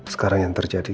sekarang yang terjadi